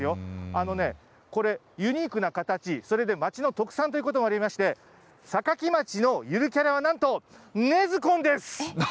あのね、これ、ユニークな形、それで町の特産ということもありまして、坂城町のゆるキャラはなんと、ねずこんです。